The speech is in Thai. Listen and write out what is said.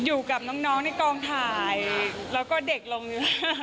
ก็โยคะอ่ะโยคะและก็อยู่กับน้องในกล้องถ่ายแล้วก็เด็กลงอยู่